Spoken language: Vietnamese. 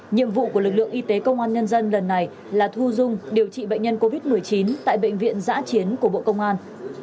nhiệm vụ của lực lượng y tế công an nhân dân lần này là thu dung điều trị bệnh nhân covid một mươi chín tại bệnh viện giã chiến của bộ công an